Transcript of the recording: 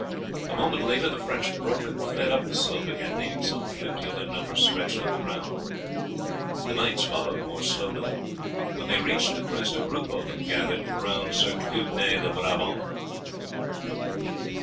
A moment later the French broke and fled up the slope again, leaving some fifty of their number stretched on the ground. The knights followed more slowly. When they reached the crest a group of them gathered around Sir Clugnet de Brabant.